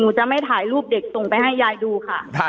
จะไม่ถ่ายรูปเด็กส่งไปให้ยายดูค่ะ